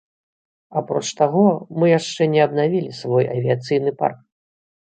Апроч таго, мы яшчэ не абнавілі свой авіяцыйны парк.